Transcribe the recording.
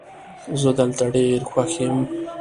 زه دلته ډېر خوښ یم